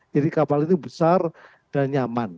jadi kapal itu besar dan nyaman